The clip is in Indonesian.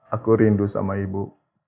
aku rindu sama ibu